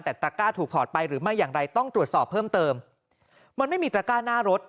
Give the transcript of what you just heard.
แต่ตระก้าถูกถอดไปหรือไม่อย่างไรต้องตรวจสอบเพิ่มเติมมันไม่มีตระก้าหน้ารถ